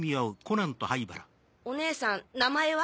おねえさん名前は？